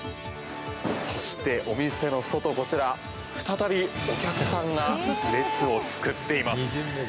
そしてお店の外、こちら再びお客さんが列を作っています。